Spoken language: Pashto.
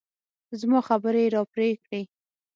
زما خبرې يې راپرې کړې.